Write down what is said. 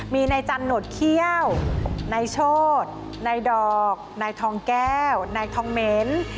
มีในจันทร์หนดเขี้ยวในโชธในดอกในทองแก้วในทองเหม็น